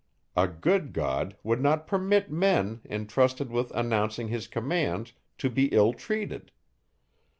A good God would not permit men, intrusted with announcing his commands, to be ill treated.